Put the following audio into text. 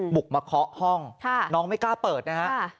บุกมาเคาะห้องน้องไม่กล้าเปิดนะฮะ